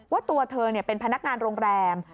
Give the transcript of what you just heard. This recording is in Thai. ว่าตัวเธอเป็นพนักงานโรงแรม